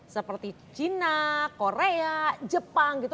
seperti china korea jepang gitu